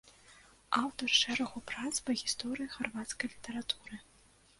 Аўтар шэрагу прац па гісторыі харвацкай літаратуры.